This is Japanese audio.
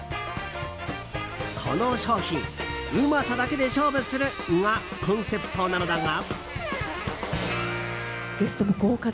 この商品、うまさだけで勝負するがコンセプトなのだが。